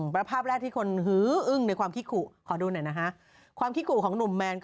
ประภาพแรกที่คนหึึ่งในความคิกกูขอดูหน่อยนะฮะ